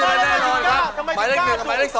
หมายเลขหมายเลข๑กว่าหมายเลข๒